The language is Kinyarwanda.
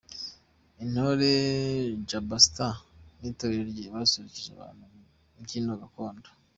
Intore Jabastar n'itorero rye basusurukije abantu mu mbyino Gakondo.